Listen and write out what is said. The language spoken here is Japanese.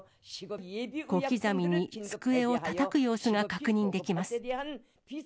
小刻みに机をたたく様子が確認できます。